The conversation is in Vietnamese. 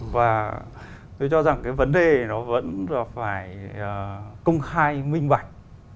và tôi cho rằng cái vấn đề nó vẫn là phải công khai minh bạch